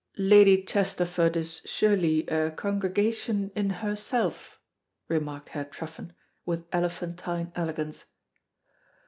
"Lady Chesterford is surely a congregation in herself," remarked Herr Truffen, with elephantine elegance.